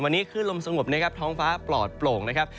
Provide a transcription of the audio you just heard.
วันนี้ขึ้นลมสงบนะครับท้องฟ้าปลอดโปร่งนะครับ